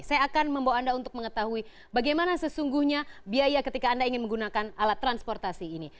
saya akan membawa anda untuk mengetahui bagaimana sesungguhnya biaya ketika anda ingin menggunakan alat transportasi ini